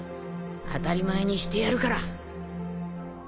当たり前にしてやるから